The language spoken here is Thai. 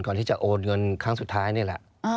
ก่อนที่จะโอนเงินครั้งสุดท้ายนี่แหละ